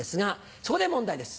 そこで問題です